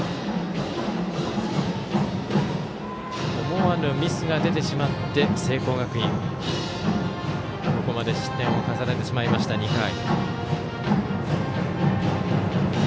思わぬミスが出てしまって聖光学院、ここまで失点を重ねてしまいました、２回。